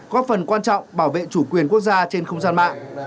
góp phần quan trọng bảo vệ chủ quyền quốc gia trên không gian mạng